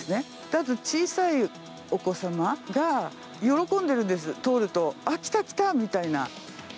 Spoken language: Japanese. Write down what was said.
たぶん小さいお子様が、喜んでるんです、通ると、あっ、来た、来たみたいな。